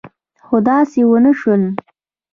خو داسې ونه شول.